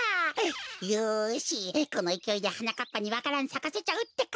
よしこのいきおいではなかっぱにわか蘭さかせちゃうってか！